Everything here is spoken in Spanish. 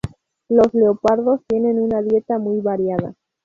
Los leopardos tienen una dieta muy variada.